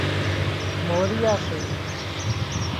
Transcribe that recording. موريا سي